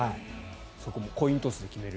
そこもコイントスで決める。